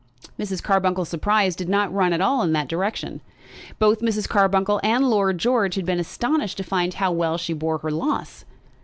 Mrs. Carbuncle's surprise did not run at all in that direction. Both Mrs. Carbuncle and Lord George had been astonished to find how well she bore her loss.